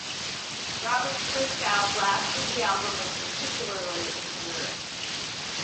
Robert Christgau blasted the album, and particularly its lyrics.